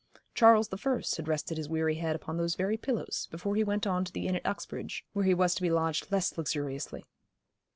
Charles the First had rested his weary head upon those very pillows, before he went on to the Inn at Uxbridge, where he was to be lodged less luxuriously.